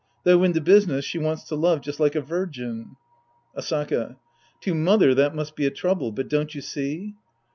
Though in the business, she wants to love just like a virgin. Asaka. To " mother " that must be a trouble, but don't you see